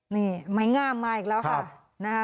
มีไม้ง่ำมาอีกแล้วค่ะ